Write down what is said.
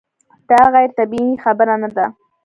دا غیر طبیعي خبره نه ده.